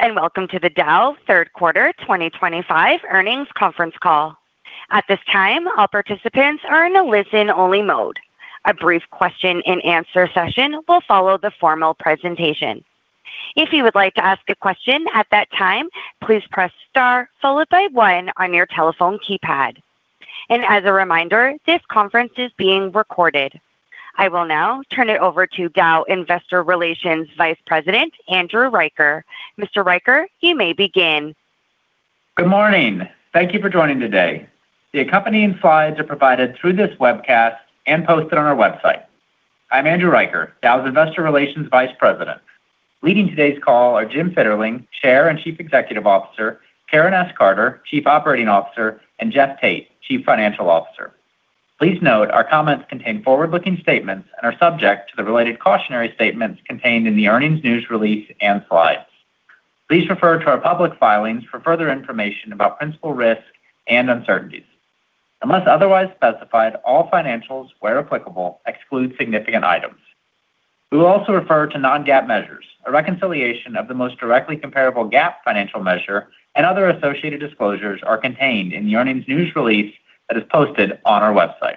Welcome to the Dow third quarter 2025 earnings conference call. At this time, all participants are in a listen-only mode. A brief question-and-answer session will follow the formal presentation. If you would like to ask a question at that time, please press star followed by one on your telephone keypad. As a reminder, this conference is being recorded. I will now turn it over to Dow Investor Relations Vice President Andrew Riker. Mr. Riker, you may begin. Good morning. Thank you for joining today. The accompanying slides are provided through this webcast and posted on our website. I'm Andrew Riker, Dow's Investor Relations Vice President. Leading today's call are Jim Fitterling, Chair and Chief Executive Officer, Karen S. Carter, Chief Operating Officer, and Jeff Tate, Chief Financial Officer. Please note our comments contain forward-looking statements and are subject to the related cautionary statements contained in the earnings news release and slides. Please refer to our public filings for further information about principal risk and uncertainties. Unless otherwise specified, all financials, where applicable, exclude significant items. We will also refer to non-GAAP measures. A reconciliation of the most directly comparable GAAP financial measure and other associated disclosures are contained in the earnings news release that is posted on our website.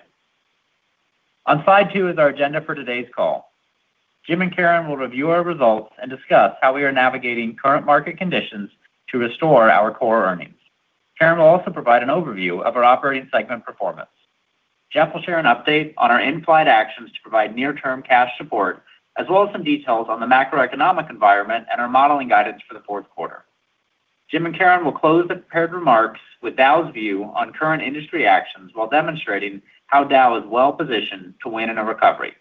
On slide two is our agenda for today's call. Jim and Karen will review our results and discuss how we are navigating current market conditions to restore our core earnings. Karen will also provide an overview of our operating segment performance. Jeff will share an update on our in-flight actions to provide near-term cash support, as well as some details on the macro-economic environment and our modeling guidance for the fourth quarter. Jim and Karen will close the prepared remarks with Dow's view on current industry actions while demonstrating how Dow is well-positioned to win in a recovery.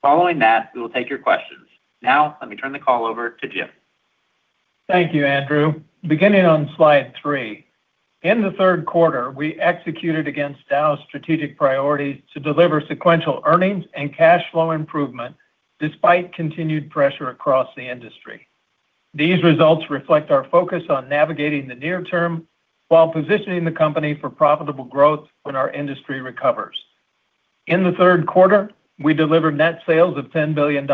Following that, we will take your questions. Now, let me turn the call over to Jim. Thank you, Andrew. Beginning on slide three, in the third quarter, we executed against Dow's strategic priorities to deliver sequential earnings and cash flow improvement despite continued pressure across the industry. These results reflect our focus on navigating the near term while positioning the company for profitable growth when our industry recovers. In the third quarter, we delivered net sales of $10 billion.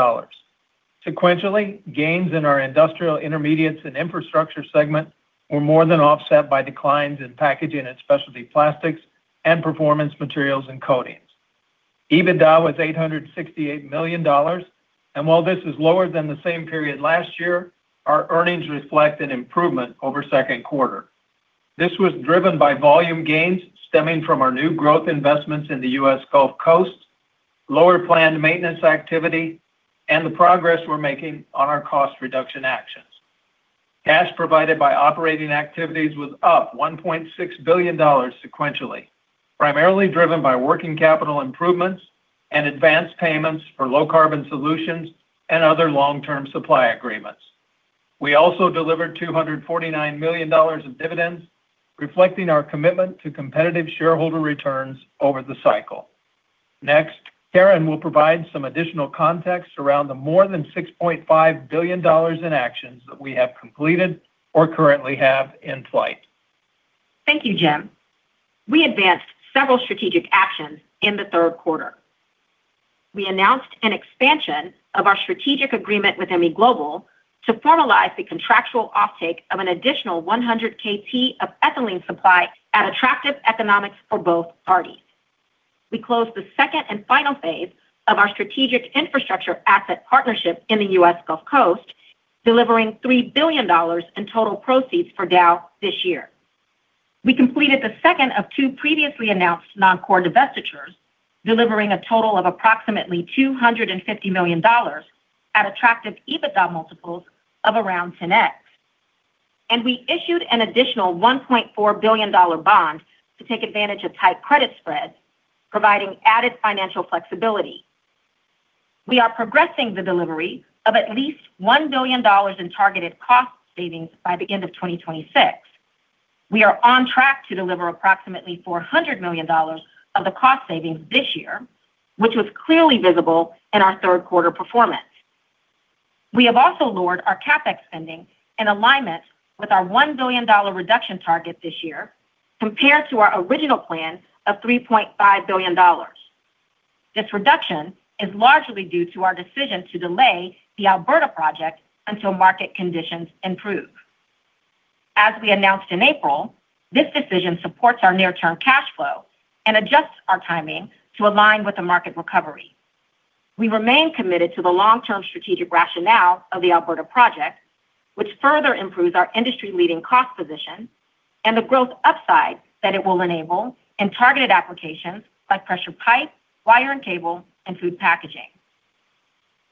Sequentially, gains in our industrial intermediates and infrastructure segment were more than offset by declines in packaging and specialty plastics and performance materials and coatings. EBITDA was $868 million, and while this is lower than the same period last year, our earnings reflect an improvement over the second quarter. This was driven by volume gains stemming from our new growth investments in the U.S. Gulf Coast, lower planned maintenance activity, and the progress we're making on our cost reduction actions. Cash provided by operating activities was up $1.6 billion sequentially, primarily driven by working capital improvements and advanced payments for low-carbon solutions and other long-term supply agreements. We also delivered $249 million in dividends, reflecting our commitment to competitive shareholder returns over the cycle. Next, Karen will provide some additional context around the more than $6.5 billion in actions that we have completed or currently have in flight. Thank you, Jim. We advanced several strategic actions in the third quarter. We announced an expansion of our strategic agreement with MEGlobal to formalize the contractual offtake of an additional 100 KTA of ethylene supply at attractive economics for both parties. We closed the second and final phase of our strategic infrastructure asset partnership in the U.S. Gulf Coast, delivering $3 billion in total proceeds for Dow this year. We completed the second of two previously announced non-core divestitures, delivering a total of approximately $250 million at attractive EBITDA multiples of around 10x. We issued an additional $1.4 billion bond to take advantage of tight credit spreads, providing added financial flexibility. We are progressing the delivery of at least $1 billion in targeted cost savings by the end of 2026. We are on track to deliver approximately $400 million of the cost savings this year, which was clearly visible in our third quarter performance. We have also lowered our CapEx spending in alignment with our $1 billion reduction target this year, compared to our original plan of $3.5 billion. This reduction is largely due to our decision to delay the Alberta project until market conditions improve. As we announced in April, this decision supports our near-term cash flow and adjusts our timing to align with the market recovery. We remain committed to the long-term strategic rationale of the Alberta project, which further improves our industry-leading cost position and the growth upside that it will enable in targeted applications like pressure pipe, wire and cable, and food packaging.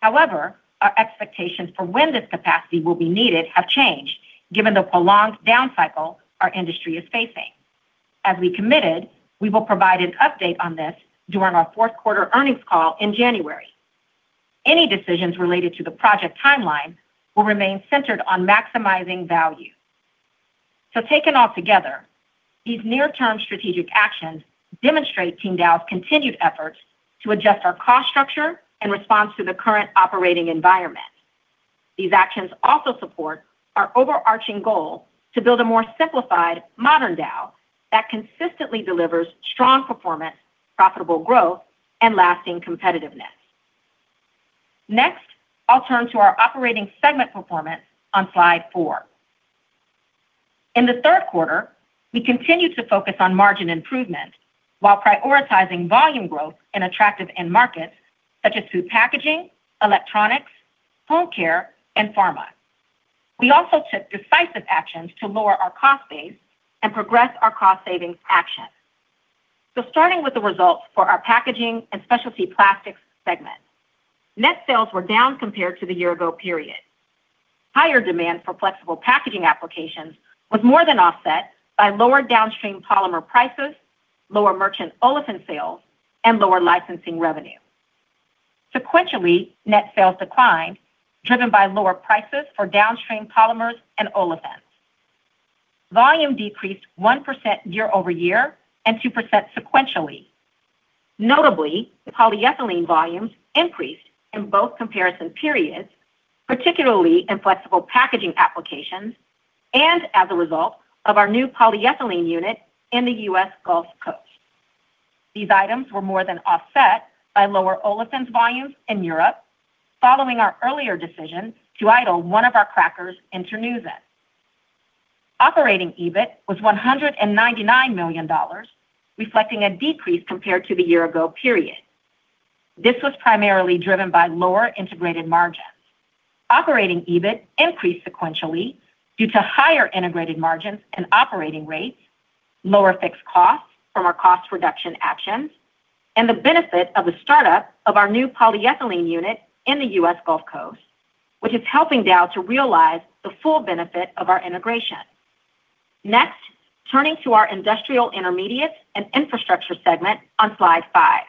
However, our expectations for when this capacity will be needed have changed, given the prolonged down cycle our industry is facing. As we committed, we will provide an update on this during our fourth-quarter earnings call in January. Any decisions related to the project timeline will remain centered on maximizing value. Taken all together, these near-term strategic actions demonstrate Team Dow's continued efforts to adjust our cost structure in response to the current operating environment. These actions also support our overarching goal to build a more simplified, modern Dow that consistently delivers strong performance, profitable growth, and lasting competitiveness. Next, I'll turn to our operating segment performance on slide four. In the third quarter, we continued to focus on margin improvement while prioritizing volume growth in attractive end markets such as food packaging, electronics, home care, and pharma. We also took decisive actions to lower our cost base and progress our cost savings action. Starting with the results for our packaging and specialty plastics segment, net sales were down compared to the year-ago period. Higher demand for flexible packaging applications was more than offset by lower downstream polymer prices, lower merchant olefin sales, and lower licensing revenue. Sequentially, net sales declined, driven by lower prices for downstream polymers and olefins. Volume decreased 1% year-over-year and 2% sequentially. Notably, polyethylene volumes increased in both comparison periods, particularly in flexible packaging applications and as a result of our new polyethylene unit in the U.S. Gulf Coast. These items were more than offset by lower olefins volumes in Europe, following our earlier decision to idle one of our crackers in Terneuzen. Operating EBIT was $199 million, reflecting a decrease compared to the year-ago period. This was primarily driven by lower integrated margins. Operating EBIT increased sequentially due to higher integrated margins and operating rates, lower fixed costs from our cost reduction actions, and the benefit of the startup of our new polyethylene unit in the U.S. Gulf Coast, which is helping Dow to realize the full benefit of our integration. Next, turning to our industrial intermediates and infrastructure segment on slide five.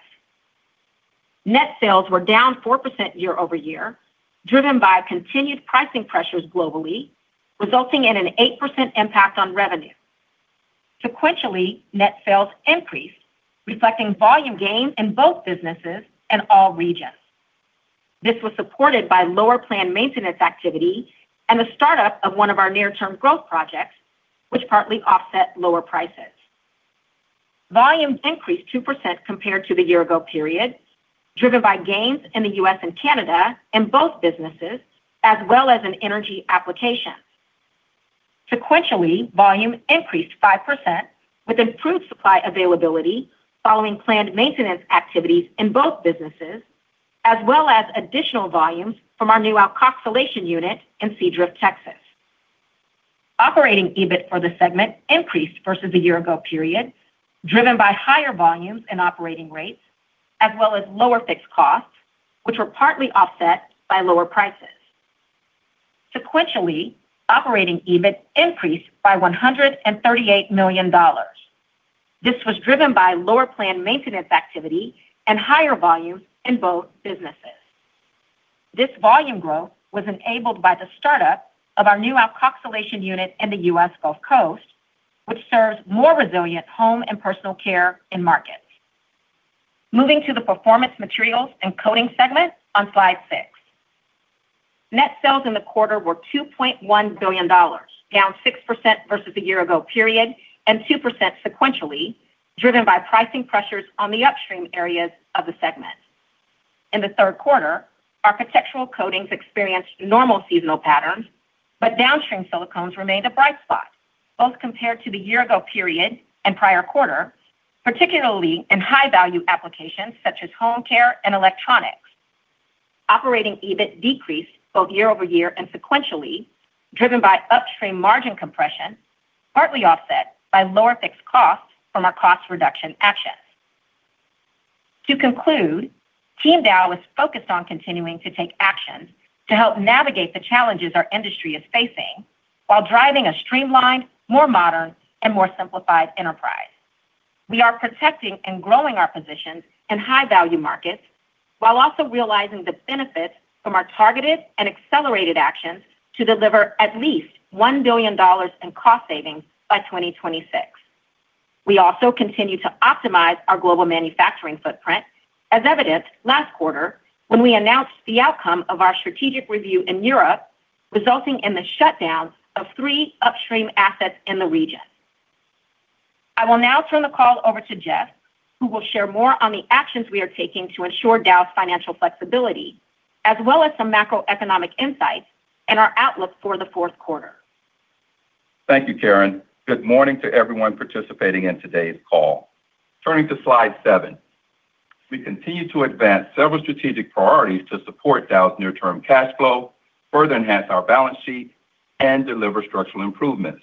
Net sales were down 4% year-over-year, driven by continued pricing pressures globally, resulting in an 8% impact on revenue. Sequentially, net sales increased, reflecting volume gains in both businesses and all regions. This was supported by lower planned maintenance activity and the startup of one of our near-term growth projects, which partly offset lower prices. Volume increased 2% compared to the year-ago period, driven by gains in the U.S. and Canada in both businesses, as well as in energy applications. Sequentially, volume increased 5% with improved supply availability following planned maintenance activities in both businesses, as well as additional volumes from our new Alcoxolation unit in Sea Drift, Texas. Operating EBIT for the segment increased versus the year-ago period, driven by higher volumes and operating rates, as well as lower fixed costs, which were partly offset by lower prices. Sequentially, operating EBIT increased by $138 million. This was driven by lower planned maintenance activity and higher volumes in both businesses. This volume growth was enabled by the startup of our new Alcoxolation unit in the U.S. Gulf Coast, which serves more resilient home and personal care end markets. Moving to the performance materials and coating segment on slide six, net sales in the quarter were $2.1 billion, down 6% versus the year-ago period and 2% sequentially, driven by pricing pressures on the upstream areas of the segment. In the third quarter, architectural coatings experienced normal seasonal patterns, but downstream silicones remained a bright spot, both compared to the year-ago period and prior quarter, particularly in high-value applications such as home care and electronics. Operating EBIT decreased both year-over-year and sequentially, driven by upstream margin compression, partly offset by lower fixed costs from our cost reduction actions. To conclude, Team Dow is focused on continuing to take actions to help navigate the challenges our industry is facing while driving a streamlined, more modern, and more simplified enterprise. We are protecting and growing our positions in high-value markets while also realizing the benefits from our targeted and accelerated actions to deliver at least $1 billion in cost savings by 2026. We also continue to optimize our global manufacturing footprint, as evidenced last quarter when we announced the outcome of our strategic review in Europe, resulting in the shutdown of three upstream assets in the region. I will now turn the call over to Jeff, who will share more on the actions we are taking to ensure Dow's financial flexibility, as well as some macroeconomic insights and our outlook for the fourth quarter. Thank you, Karen. Good morning to everyone participating in today's call. Turning to slide seven, we continue to advance several strategic priorities to support Dow's near-term cash flow, further enhance our balance sheet, and deliver structural improvements.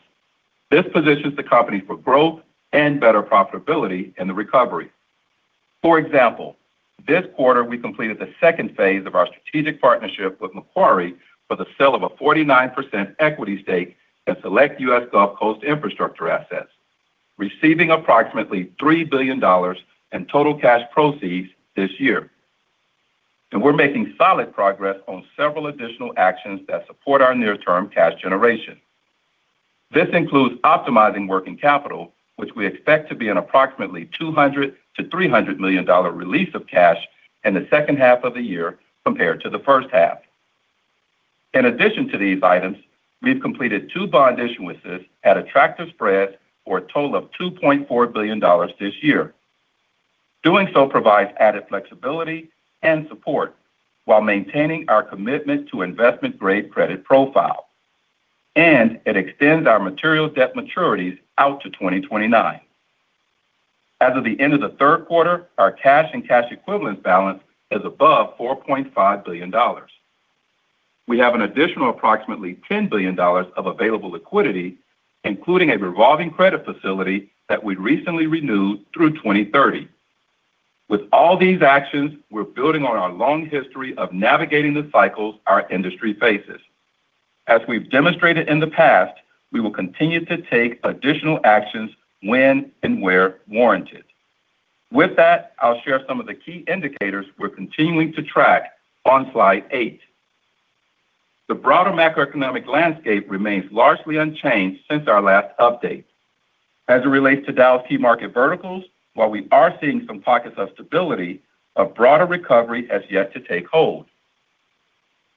This positions the company for growth and better profitability in the recovery. For example, this quarter we completed the second phase of our strategic partnership with Macquarie for the sale of a 49% equity stake in select U.S. Gulf Coast infrastructure assets, receiving approximately $3 billion in total cash proceeds this year. We're making solid progress on several additional actions that support our near-term cash generation. This includes optimizing working capital, which we expect to be an approximately $200 million-$300 million release of cash in the second half of the year compared to the first half. In addition to these items, we've completed two bond issuances at attractive spreads for a total of $2.4 billion this year. Doing so provides added flexibility and support while maintaining our commitment to investment-grade credit profile. It extends our material debt maturities out to 2029. As of the end of the third quarter, our cash and cash equivalents balance is above $4.5 billion. We have an additional approximately $10 billion of available liquidity, including a revolving credit facility that we recently renewed through 2030. With all these actions, we're building on our long history of navigating the cycles our industry faces. As we've demonstrated in the past, we will continue to take additional actions when and where warranted. With that, I'll share some of the key indicators we're continuing to track on slide eight. The broader macroeconomic landscape remains largely unchanged since our last update. As it relates to Dow's key market verticals, while we are seeing some pockets of stability, a broader recovery has yet to take hold.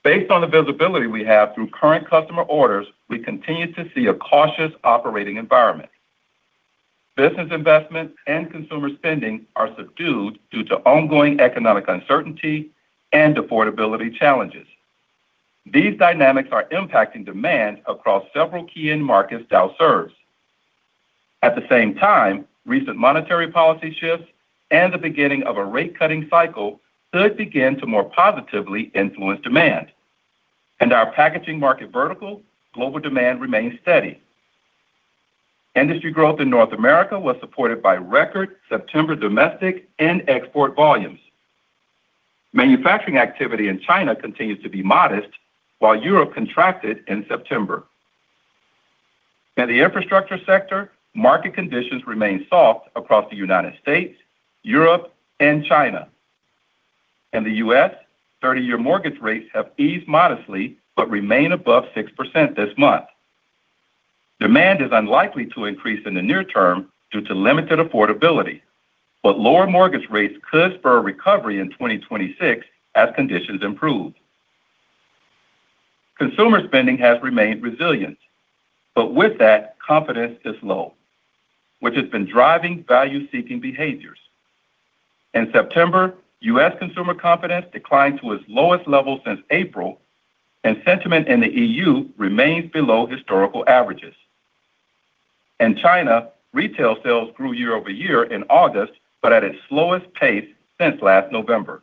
Based on the visibility we have through current customer orders, we continue to see a cautious operating environment. Business investment and consumer spending are subdued due to ongoing economic uncertainty and affordability challenges. These dynamics are impacting demand across several key end markets Dow serves. At the same time, recent monetary policy shifts and the beginning of a rate-cutting cycle could begin to more positively influence demand. In our packaging market vertical, global demand remains steady. Industry growth in North America was supported by record September domestic and export volumes. Manufacturing activity in China continues to be modest, while Europe contracted in September. In the infrastructure sector, market conditions remain soft across the United States, Europe, and China. In the U.S., 30-year mortgage rates have eased modestly but remain above 6% this month. Demand is unlikely to increase in the near term due to limited affordability, but lower mortgage rates could spur a recovery in 2026 as conditions improve. Consumer spending has remained resilient, but with that, confidence is low, which has been driving value-seeking behaviors. In September, U.S. consumer confidence declined to its lowest level since April, and sentiment in the EU remains below historical averages. In China, retail sales grew year-over-year in August, but at its slowest pace since last November.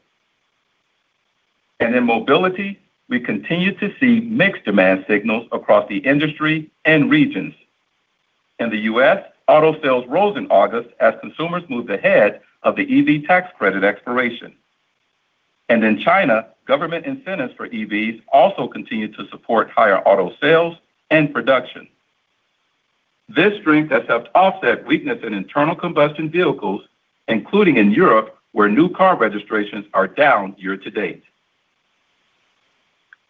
In mobility, we continue to see mixed demand signals across the industry and regions. In the U.S., auto sales rose in August as consumers moved ahead of the EV tax credit expiration. In China, government incentives for EVs also continue to support higher auto sales and production. This strength has helped offset weakness in internal combustion vehicles, including in Europe, where new car registrations are down year to date.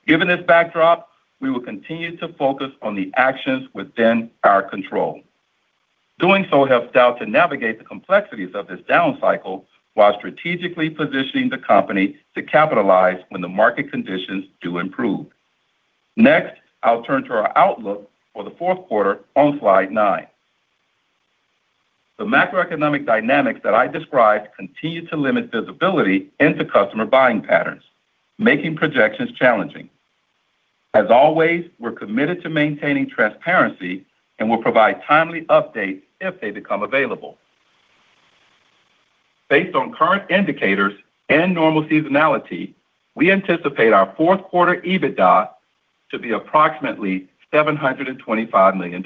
Given this backdrop, we will continue to focus on the actions within our control. Doing so helps Dow to navigate the complexities of this down cycle while strategically positioning the company to capitalize when the market conditions do improve. Next, I'll turn to our outlook for the fourth quarter on slide nine. The macroeconomic dynamics that I described continue to limit visibility into customer buying patterns, making projections challenging. As always, we're committed to maintaining transparency and will provide timely updates if they become available. Based on current indicators and normal seasonality, we anticipate our fourth quarter EBITDA to be approximately $725 million.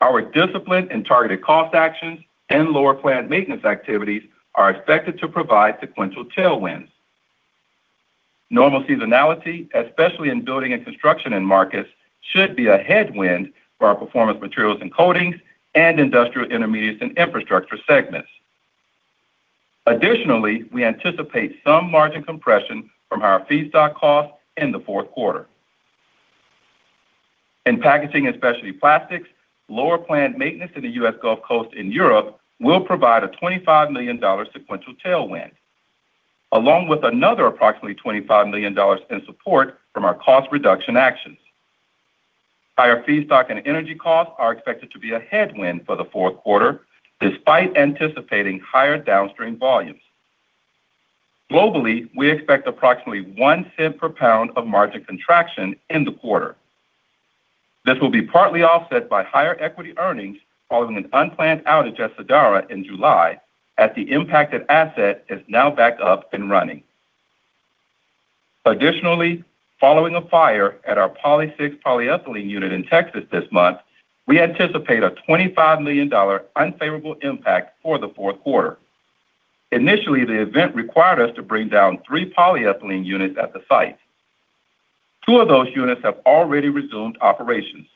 Our discipline and targeted cost actions and lower planned maintenance activities are expected to provide sequential tailwinds. Normal seasonality, especially in building and construction end markets, should be a headwind for our performance materials and coatings and industrial intermediates and infrastructure segments. Additionally, we anticipate some margin compression from our feedstock costs in the fourth quarter. In packaging and specialty plastics, lower planned maintenance in the U.S. Gulf Coast and Europe will provide a $25 million sequential tailwind, along with another approximately $25 million in support from our cost reduction actions. Higher feedstock and energy costs are expected to be a headwind for the fourth quarter, despite anticipating higher downstream volumes. Globally, we expect approximately $0.01 per pound of margin contraction in the quarter. This will be partly offset by higher equity earnings following an unplanned outage at Cedara in July, as the impacted asset is now back up and running. Additionally, following a fire at our Poly6 polyethylene unit in Texas this month, we anticipate a $25 million unfavorable impact for the fourth quarter. Initially, the event required us to bring down three polyethylene units at the site. Two of those units have already resumed operations.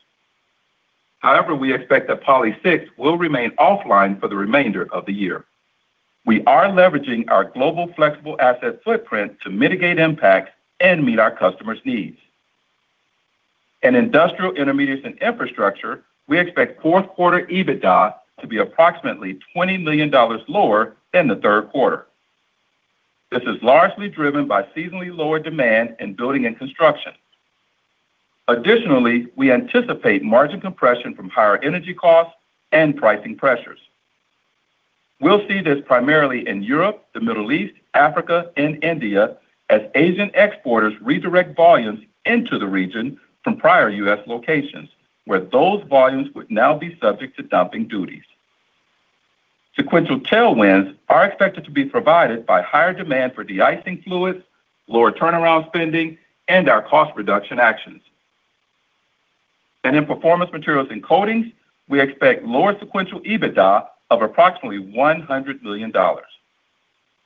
However, we expect that Poly6 will remain offline for the remainder of the year. We are leveraging our global flexible asset footprint to mitigate impacts and meet our customers' needs. In industrial intermediates and infrastructure, we expect fourth quarter EBITDA to be approximately $20 million lower than the third quarter. This is largely driven by seasonally lower demand in building and construction. Additionally, we anticipate margin compression from higher energy costs and pricing pressures. We will see this primarily in Europe, the Middle East, Africa, and India, as Asian exporters redirect volumes into the region from prior U.S. locations, where those volumes would now be subject to anti-dumping duties. Sequential tailwinds are expected to be provided by higher demand for deicing fluids, lower turnaround spending, and our cost reduction actions. In performance materials and coatings, we expect lower sequential EBITDA of approximately $100 million.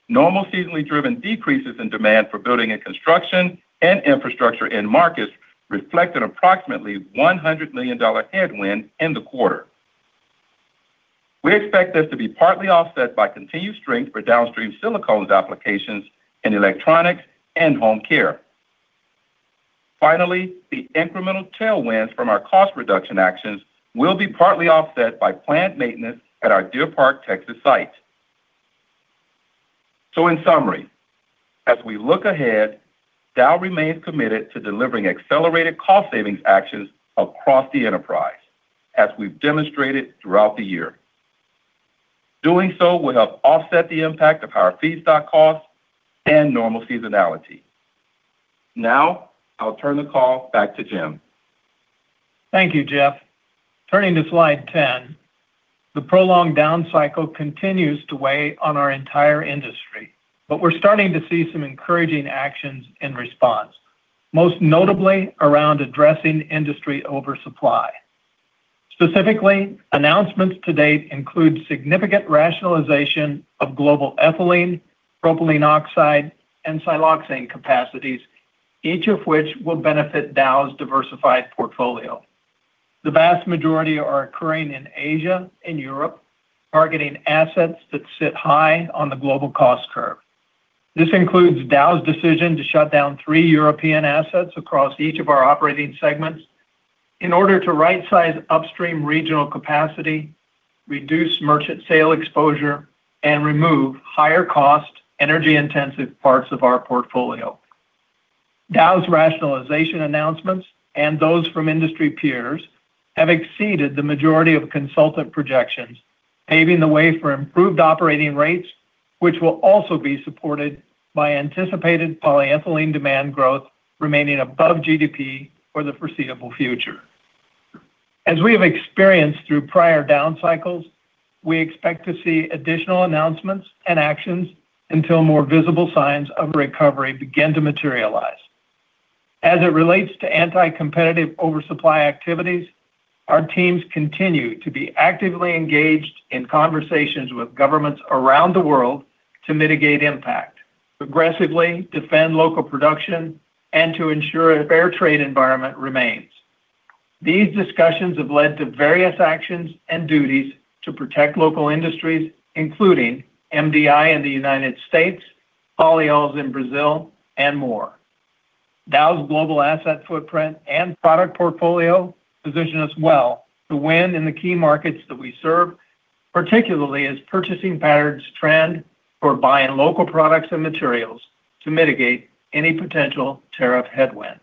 Normal seasonally driven decreases in demand for building and construction and infrastructure end markets reflect an approximately $100 million headwind in the quarter. We expect this to be partly offset by continued strength for downstream silicones applications in electronics and home care. The incremental tailwinds from our cost reduction actions will be partly offset by planned maintenance at our Deer Park, Texas site. In summary, as we look ahead, Dow remains committed to delivering accelerated cost savings actions across the enterprise, as we've demonstrated throughout the year. Doing so will help offset the impact of higher feedstock costs and normal seasonality. Now, I'll turn the call back to Jim. Thank you, Jeff. Turning to slide 10, the prolonged down cycle continues to weigh on our entire industry, but we're starting to see some encouraging actions in response, most notably around addressing industry oversupply. Specifically, announcements to date include significant rationalization of global ethylene, propylene oxide, and cyloxane capacities, each of which will benefit Dow's diversified portfolio. The vast majority are occurring in Asia and Europe, targeting assets that sit high on the global cost curve. This includes Dow's decision to shut down three European assets across each of our operating segments in order to right-size upstream regional capacity, reduce merchant sale exposure, and remove higher-cost, energy-intensive parts of our portfolio. Dow's rationalization announcements and those from industry peers have exceeded the majority of consultant projections, paving the way for improved operating rates, which will also be supported by anticipated polyethylene demand growth remaining above GDP for the foreseeable future. As we have experienced through prior down cycles, we expect to see additional announcements and actions until more visible signs of recovery begin to materialize. As it relates to anti-competitive oversupply activities, our teams continue to be actively engaged in conversations with governments around the world to mitigate impact, aggressively defend local production, and to ensure a fair trade environment remains. These discussions have led to various actions and duties to protect local industries, including MDI in the United States, polyols in Brazil, and more. Dow's global asset footprint and product portfolio position us well to win in the key markets that we serve, particularly as purchasing patterns trend toward buying local products and materials to mitigate any potential tariff headwinds.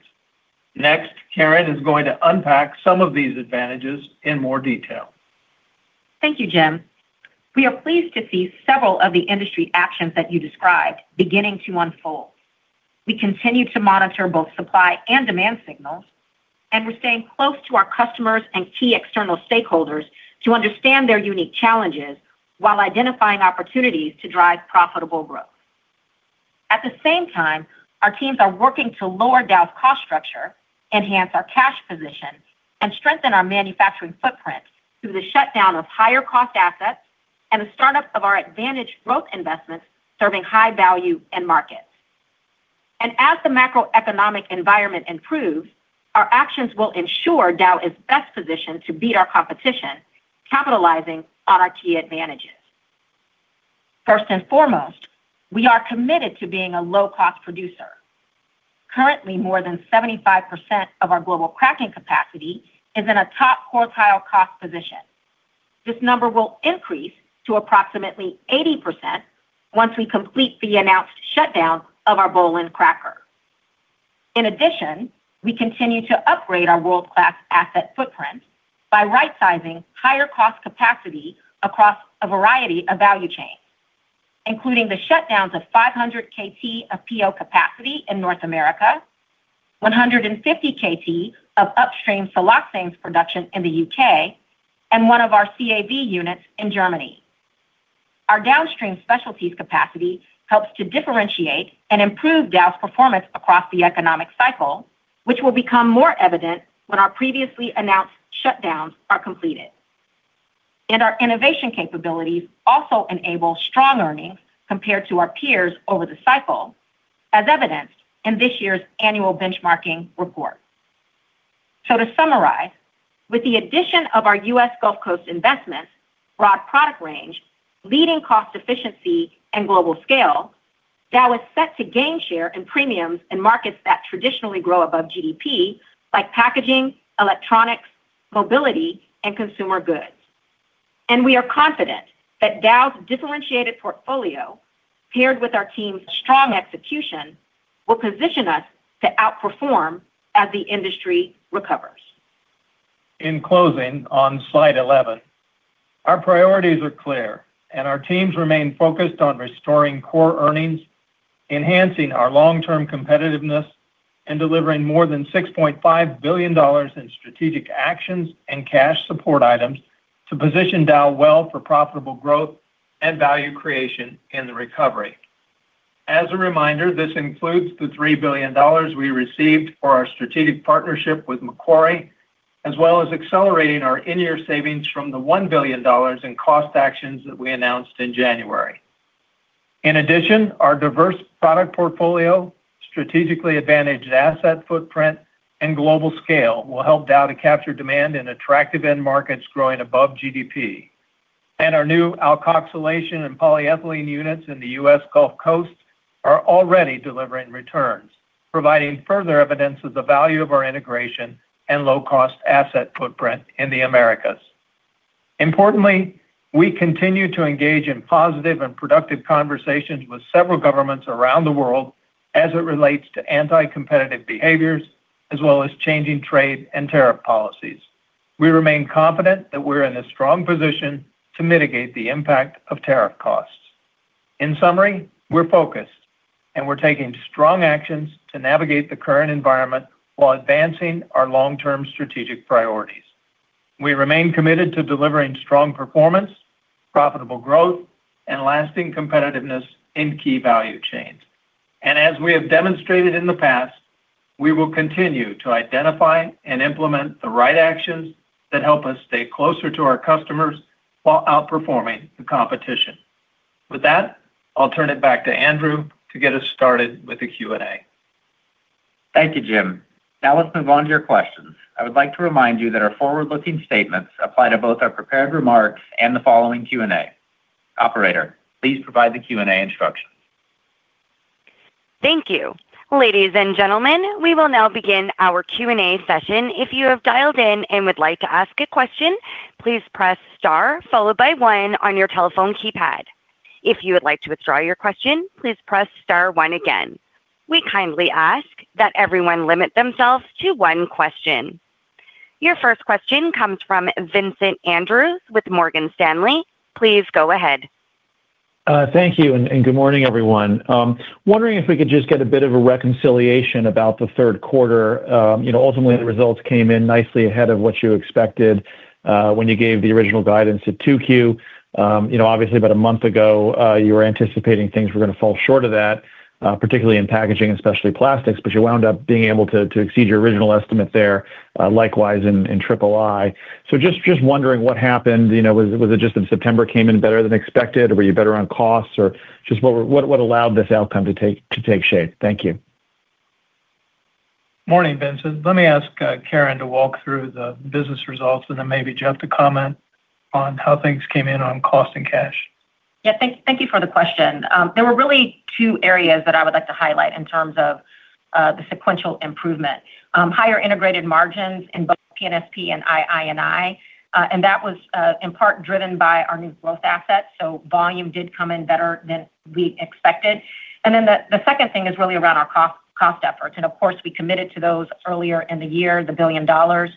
Next, Karen is going to unpack some of these advantages in more detail. Thank you, Jim. We are pleased to see several of the industry actions that you described beginning to unfold. We continue to monitor both supply and demand signals, and we're staying close to our customers and key external stakeholders to understand their unique challenges while identifying opportunities to drive profitable growth. At the same time, our teams are working to lower Dow's cost structure, enhance our cash position, and strengthen our manufacturing footprint through the shutdown of higher-cost assets and the startup of our advantaged growth investments serving high-value end markets. As the macro-economic environment improves, our actions will ensure Dow is best positioned to beat our competition, capitalizing on our key advantages. First and foremost, we are committed to being a low-cost producer. Currently, more than 75% of our global cracking capacity is in a top-quartile cost position. This number will increase to approximately 80% once we complete the announced shutdown of our Böhlen cracker. In addition, we continue to upgrade our world-class asset footprint by right-sizing higher-cost capacity across a variety of value chains, including the shutdowns of 500 KTA of PO capacity in North America, 150 KTA of upstream siloxanes production in the UK, and one of our CAV units in Germany. Our downstream specialties capacity helps to differentiate and improve Dow's performance across the economic cycle, which will become more evident when our previously announced shutdowns are completed. Our innovation capabilities also enable strong earnings compared to our peers over the cycle, as evidenced in this year's annual benchmarking report. To summarize, with the addition of our U.S. Gulf Coast investments, broad product range, leading cost efficiency, and global scale, Dow is set to gain share in premiums in markets that traditionally grow above GDP, like packaging, electronics, mobility, and consumer goods. We are confident that Dow's differentiated portfolio, paired with our team's strong execution, will position us to outperform as the industry recovers. In closing, on slide 11, our priorities are clear, and our teams remain focused on restoring core earnings, enhancing our long-term competitiveness, and delivering more than $6.5 billion in strategic actions and cash support items to position Dow well for profitable growth and value creation in the recovery. As a reminder, this includes the $3 billion we received for our strategic partnership with Macquarie, as well as accelerating our in-year savings from the $1 billion in cost actions that we announced in January. In addition, our diverse product portfolio, strategically advantaged asset footprint, and global scale will help Dow to capture demand in attractive end markets growing above GDP. Our new Alcoxolation and polyethylene units in the U.S. Gulf Coast are already delivering returns, providing further evidence of the value of our integration and low-cost asset footprint in the Americas. Importantly, we continue to engage in positive and productive conversations with several governments around the world as it relates to anti-competitive behaviors, as well as changing trade and tariff policies. We remain confident that we're in a strong position to mitigate the impact of tariff costs. In summary, we're focused, and we're taking strong actions to navigate the current environment while advancing our long-term strategic priorities. We remain committed to delivering strong performance, profitable growth, and lasting competitiveness in key value chains. As we have demonstrated in the past, we will continue to identify and implement the right actions that help us stay closer to our customers while outperforming the competition. With that, I'll turn it back to Andrew to get us started with the Q&A. Thank you, Jim. Now let's move on to your questions. I would like to remind you that our forward-looking statements apply to both our prepared remarks and the following Q&A. Operator, please provide the Q&A instructions. Thank you. Ladies and gentlemen, we will now begin our Q&A session. If you have dialed in and would like to ask a question, please press star followed by one on your telephone keypad. If you would like to withdraw your question, please press star one again. We kindly ask that everyone limit themselves to one question. Your first question comes from Vincent Andrews with Morgan Stanley. Please go ahead. Thank you, and good morning, everyone. Wondering if we could just get a bit of a reconciliation about the third quarter. You know, ultimately, the results came in nicely ahead of what you expected when you gave the original guidance to in 2Q. Obviously, about a month ago, you were anticipating things were going to fall short of that, particularly in packaging and specialty plastics, but you wound up being able to exceed your original estimate there, likewise in II&I. Just wondering what happened. You know, was it just that September came in better than expected? Were you better on costs? Or just what allowed this outcome to take shape? Thank you. Morning, Vincent. Let me ask Karen to walk through the business results, and then maybe Jeff to comment on how things came in on cost and cash. Thank you for the question. There were really two areas that I would like to highlight in terms of the sequential improvement. Higher integrated margins in both P&SP and II&I, and that was in part driven by our new growth assets. Volume did come in better than we expected. The second thing is really around our cost efforts. Of course, we committed to those earlier in the year, the $1 billion.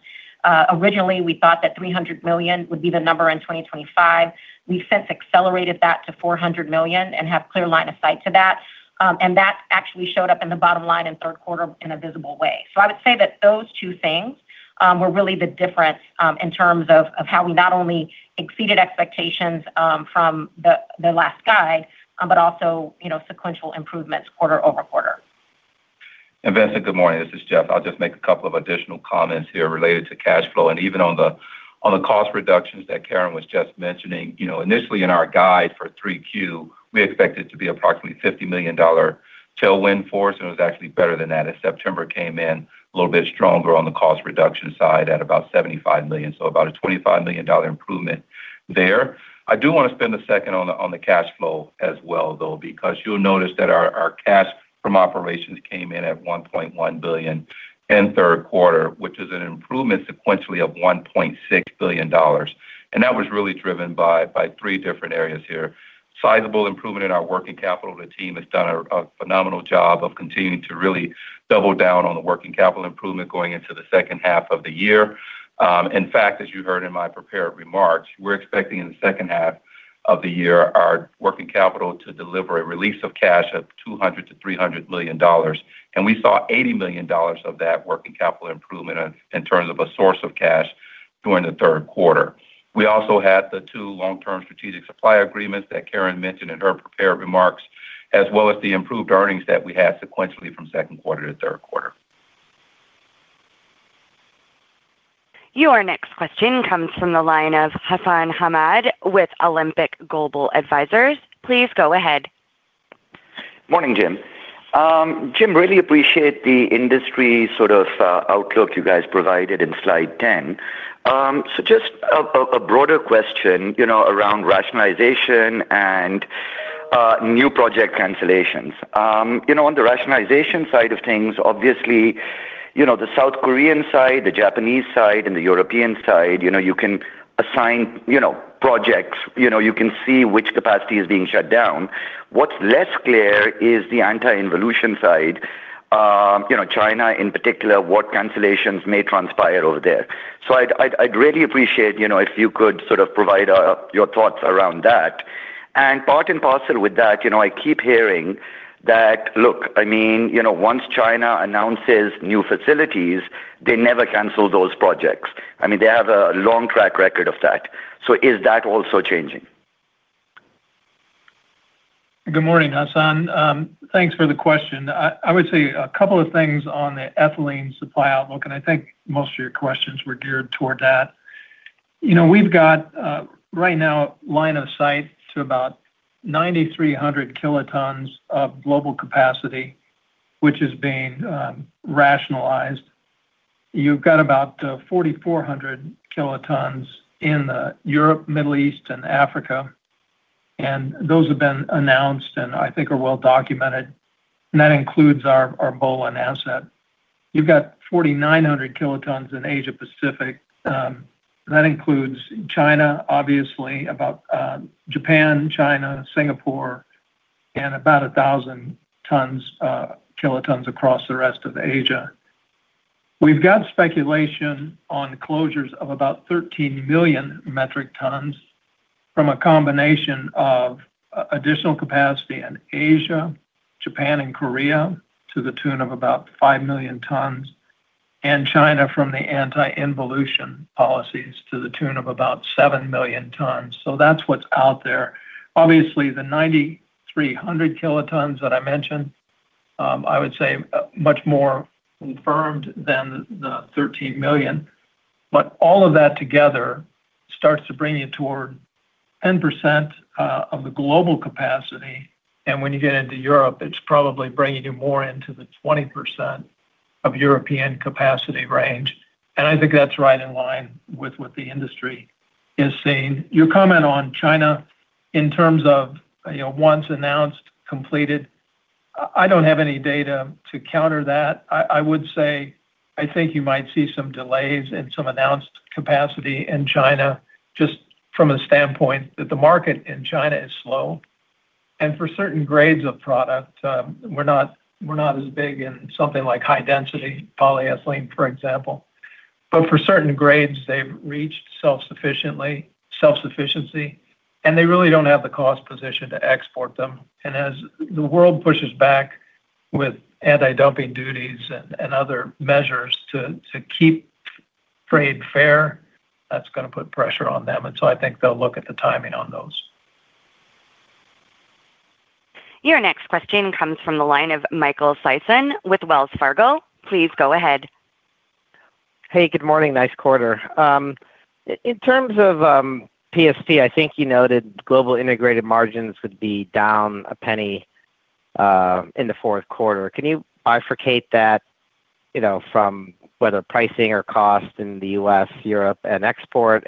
Originally, we thought that $300 million would be the number in 2025. We've since accelerated that to $400 million and have a clear line of sight to that. That actually showed up in the bottom line in the third quarter in a visible way. I would say that those two things were really the difference in terms of how we not only exceeded expectations from the last guide, but also sequential improvements quarter over quarter. Vincent, good morning. This is Jeff. I'll just make a couple of additional comments here related to cash flow and even on the cost reductions that Karen was just mentioning. Initially in our guide for In 3Q, we expected it to be approximately $50 million tailwind for us, and it was actually better than that as September came in a little bit stronger on the cost reduction side at about $75 million. That is about a $25 million improvement there. I do want to spend a second on the cash flow as well, because you'll notice that our cash from operations came in at $1.1 billion in the third quarter, which is an improvement sequentially of $1.6 billion. That was really driven by three different areas here. There was sizable improvement in our working capital. The team has done a phenomenal job of continuing to really double down on the working capital improvement going into the second half of the year. In fact, as you heard in my prepared remarks, we're expecting in the second half of the year our working capital to deliver a release of cash of $200 million-$300 million. We saw $80 million of that working capital improvement in terms of a source of cash during the third quarter. We also had the two long-term strategic supply agreements that Karen mentioned in her prepared remarks, as well as the improved earnings that we had sequentially from second quarter to third quarter. Your next question comes from the line of Hassan Ahmed with Alembic Global Advisors. Please go ahead. Morning, Jim. Really appreciate the industry sort of outlook you guys provided in slide 10. Just a broader question around rationalization and new project cancellations. On the rationalization side of things, obviously the South Korean side, the Japanese side, and the European side, you can assign projects. You can see which capacity is being shut down. What's less clear is the anti-involution side. China in particular, what cancellations may transpire over there. I'd really appreciate if you could sort of provide your thoughts around that. Part and parcel with that, I keep hearing that, look, once China announces new facilities, they never cancel those projects. They have a long track record of that. Is that also changing? Good morning, Hassan. Thanks for the question. I would say a couple of things on the ethylene supply outlook, and I think most of your questions were geared toward that. We've got right now a line of sight to about 9,300 kilotons of global capacity, which is being rationalized. You've got about 4,400 kilotons in Europe, Middle East, and Africa, and those have been announced and I think are well documented. That includes our Böhlen asset. You've got 4,900 kilotons in Asia Pacific. That includes China, obviously, Japan, China, Singapore, and about 1,000 kilotons across the rest of Asia. We've got speculation on closures of about 13 million metric tons from a combination of additional capacity in Asia, Japan, and Korea to the tune of about 5 million tons, and China from the anti-involution policies to the tune of about 7 million tons. That's what's out there. Obviously, the 9,300 kilotons that I mentioned, I would say much more confirmed than the 13 million metric tons. All of that together starts to bring you toward 10% of the global capacity. When you get into Europe, it's probably bringing you more into the 20% of European capacity range. I think that's right in line with what the industry is seeing. Your comment on China in terms of, once announced, completed, I don't have any data to counter that. I would say I think you might see some delays in some announced capacity in China just from a standpoint that the market in China is slow. For certain grades of product, we're not as big in something like high-density polyethylene, for example. For certain grades, they've reached self-sufficiency, and they really don't have the cost position to export them. As the world pushes back with anti-dumping duties and other measures to keep trade fair, that's going to put pressure on them. I think they'll look at the timing on those. Your next question comes from the line of Michael Sison with Wells Fargo. Please go ahead. Hey, good morning. Nice quarter. In terms of PSP, I think you noted global integrated margins would be down $0.01 in the fourth quarter. Can you bifurcate that, you know, from whether pricing or cost in the U.S., Europe, and export?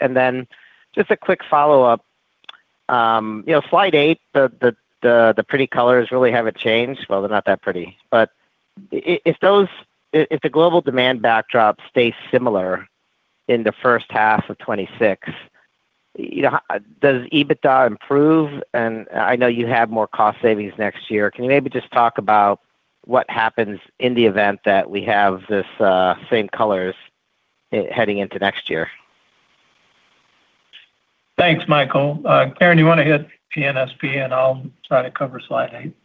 Just a quick follow-up. You know, slide eight, the pretty colors really haven't changed. They're not that pretty. If the global demand backdrop stays similar in the first half of 2026, you know, does EBITDA improve? I know you have more cost savings next year. Can you maybe just talk about what happens in the event that we have these same colors heading into next year? Thanks, Michael. Karen, you want to hit P&SP, and I'll try to cover slide eight?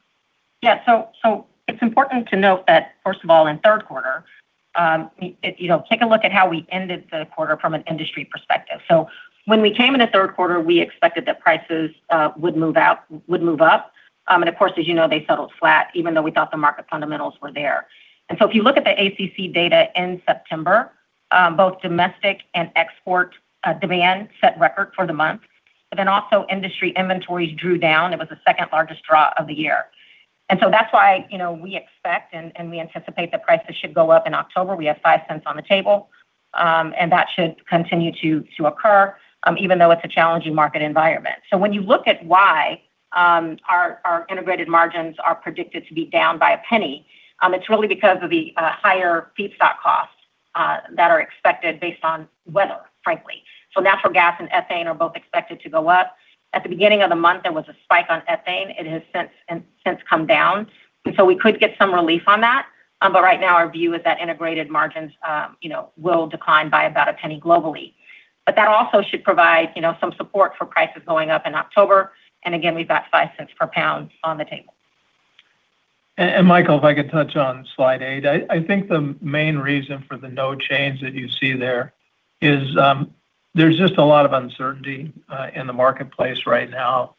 Yeah, so it's important to note that, first of all, in the third quarter, you know, take a look at how we ended the quarter from an industry perspective. When we came into the third quarter, we expected that prices would move up. Of course, as you know, they settled flat, even though we thought the market fundamentals were there. If you look at the ACC data in September, both domestic and export demand set records for the month. Industry inventories also drew down. It was the second-largest draw of the year. That is why we expect and we anticipate that prices should go up in October. We have $0.05 on the table, and that should continue to occur, even though it's a challenging market environment. When you look at why our integrated margins are predicted to be down by a penny, it's really because of the higher feedstock costs that are expected based on weather, frankly. Natural gas and ethane are both expected to go up. At the beginning of the month, there was a spike on ethane. It has since come down, and we could get some relief on that. Right now, our view is that integrated margins will decline by about a penny globally. That also should provide some support for prices going up in October. Again, we've got $0.05 per pound on the table. If I could touch on slide eight, I think the main reason for the no change that you see there is there's just a lot of uncertainty in the marketplace right now.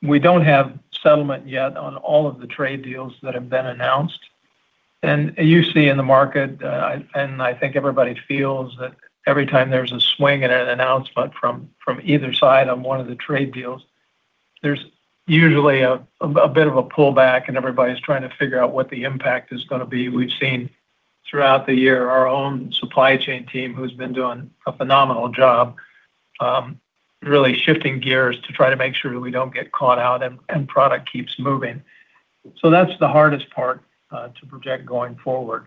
We don't have settlement yet on all of the trade deals that have been announced. You see in the market, and I think everybody feels that every time there's a swing in an announcement from either side on one of the trade deals, there's usually a bit of a pullback, and everybody's trying to figure out what the impact is going to be. We've seen throughout the year our own supply chain team, who's been doing a phenomenal job, really shifting gears to try to make sure that we don't get caught out and product keeps moving. That's the hardest part to project going forward.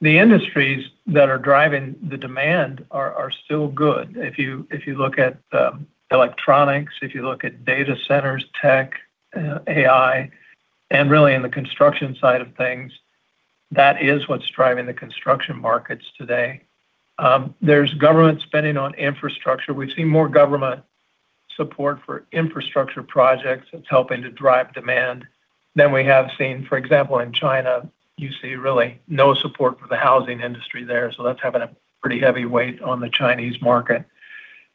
The industries that are driving the demand are still good. If you look at electronics, if you look at data centers, tech, AI, and really in the construction side of things, that is what's driving the construction markets today. There's government spending on infrastructure. We've seen more government support for infrastructure projects that's helping to drive demand than we have seen. For example, in China, you see really no support for the housing industry there. That's having a pretty heavy weight on the Chinese market.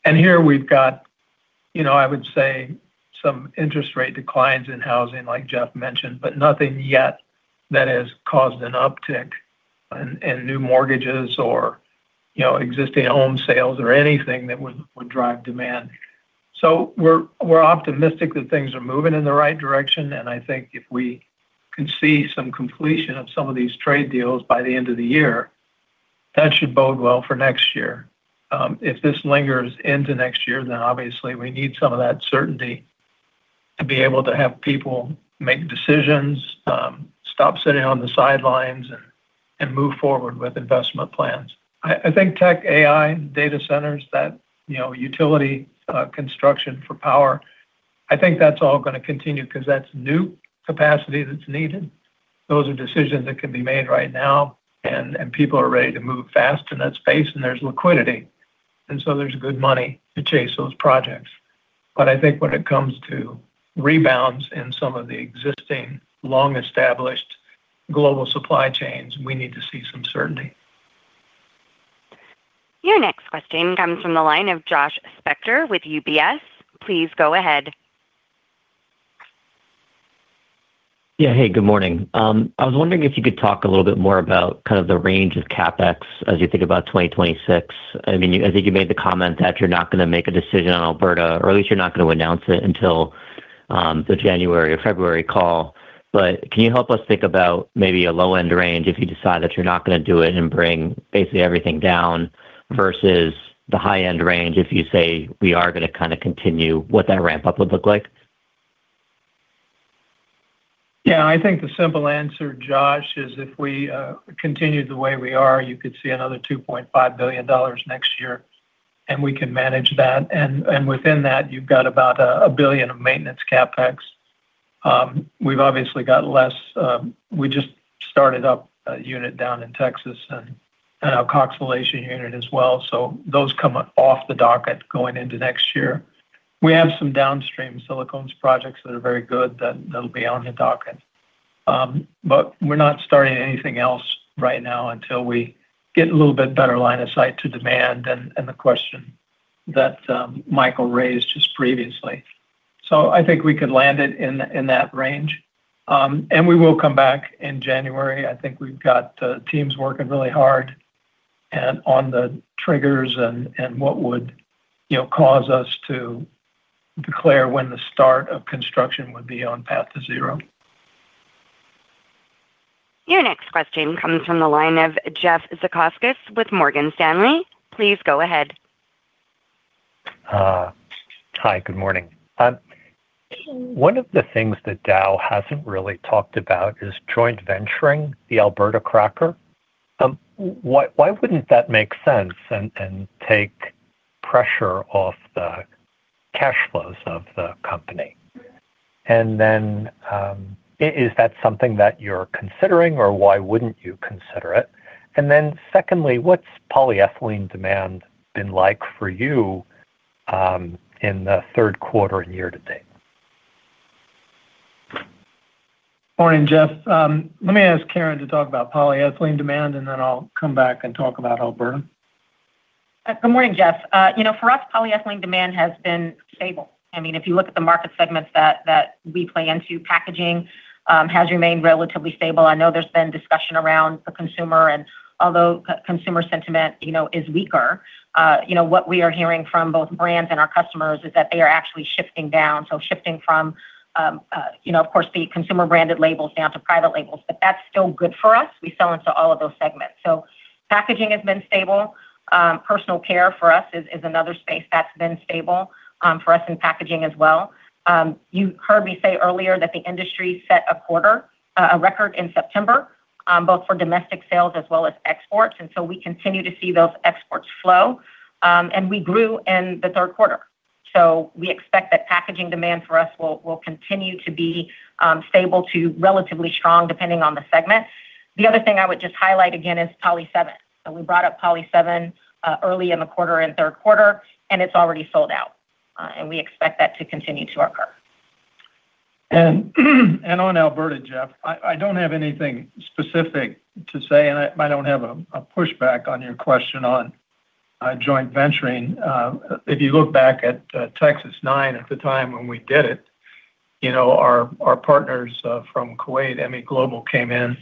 Here we've got, I would say, some interest rate declines in housing, like Jeff mentioned, but nothing yet that has caused an uptick in new mortgages or existing home sales or anything that would drive demand. We're optimistic that things are moving in the right direction. I think if we can see some completion of some of these trade deals by the end of the year, that should bode well for next year. If this lingers into next year, then obviously we need some of that certainty to be able to have people make decisions, stop sitting on the sidelines, and move forward with investment plans. I think tech, AI, data centers, utility construction for power, I think that's all going to continue because that's new capacity that's needed. Those are decisions that can be made right now, and people are ready to move fast in that space, and there's liquidity. There's good money to chase those projects. I think when it comes to rebounds in some of the existing long-established global supply chains, we need to see some certainty. Your next question comes from the line of Josh Spector with UBS. Please go ahead. Yeah, hey, good morning. I was wondering if you could talk a little bit more about kind of the range of CapEx as you think about 2026. I mean, I think you made the comment that you're not going to make a decision on Alberta, or at least you're not going to announce it until the January or February call. Can you help us think about maybe a low-end range if you decide that you're not going to do it and bring basically everything down versus the high-end range if you say we are going to kind of continue what that ramp-up would look like? Yeah, I think the simple answer, Josh, is if we continued the way we are, you could see another $2.5 billion next year, and we can manage that. Within that, you've got about $1 billion of maintenance CapEx. We've obviously got less. We just started up a unit down in Texas and an Alcoxolation unit as well. Those come off the docket going into next year. We have some downstream silicones projects that are very good that'll be on the docket. We're not starting anything else right now until we get a little bit better line of sight to demand and the question that Michael raised just previously. I think we could land it in that range. We will come back in January. I think we've got teams working really hard on the triggers and what would, you know, cause us to declare when the start of construction would be on path to zero. Your next question comes from the line of Jeff Stokvis with Morgan Stanley. Please go ahead. Hi, good morning. One of the things that Dow hasn't really talked about is joint venturing the Alberta cracker. Why wouldn't that make sense and take pressure off the cash flows of the company? Is that something that you're considering, or why wouldn't you consider it? Secondly, what's polyethylene demand been like for you in the third quarter and year to date? Morning, Jeff. Let me ask Karen to talk about polyethylene demand, and then I'll come back and talk about Alberta. Good morning, Jeff. For us, polyethylene demand has been stable. If you look at the market segments that we play into, packaging has remained relatively stable. I know there's been discussion around the consumer, and although consumer sentiment is weaker, what we are hearing from both brands and our customers is that they are actually shifting down, shifting from the consumer-branded labels down to private labels, but that's still good for us. We sell into all of those segments. Packaging has been stable. Personal care for us is another space that's been stable for us in packaging as well. You heard me say earlier that the industry set a record in September, both for domestic sales as well as exports. We continue to see those exports flow, and we grew in the third quarter. We expect that packaging demand for us will continue to be stable to relatively strong, depending on the segment. The other thing I would just highlight again is Poly7. We brought up Poly7 early in the quarter and third quarter, and it's already sold out. We expect that to continue to occur. On Alberta, Jeff, I don't have anything specific to say, and I don't have a pushback on your question on joint venturing. If you look back at Texas 9 at the time when we did it, our partners from Kuwait, MEGlobal, came in